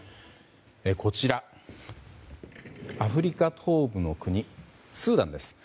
こちら、アフリカ東部の国スーダンです。